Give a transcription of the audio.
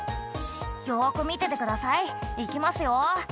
「よく見ててください行きますよ」